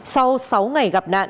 sau sáu ngày gặp nạn